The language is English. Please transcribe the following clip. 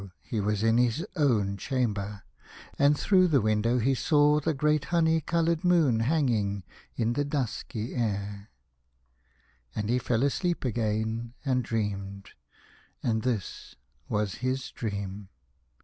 he was in his own chamber, and through the window he saw the great honey coloured moon hangingin the dusky air. And he fell asleep again and dreamed, and this was his dream.